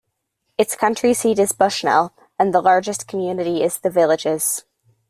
Its county seat is Bushnell, and the largest community is The Villages.